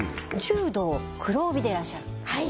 柔道黒帯でいらっしゃるはい！